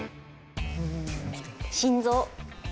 心臓。